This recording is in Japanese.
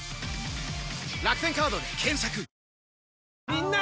みんな！